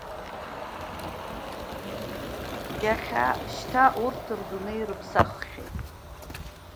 Иахьа шьҭа урҭ рдунеи рыԥсаххьеит.